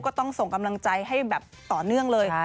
ก็ต้องส่งกำลังใจให้แบบต่อเนื่องเลย